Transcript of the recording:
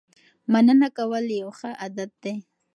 مننه کول یو ښه عادت دی.